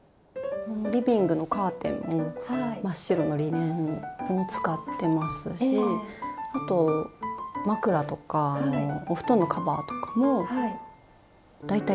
リビングのカーテンも真っ白のリネンを使ってますしあと枕とかお布団のカバーとかも大体リネンですね。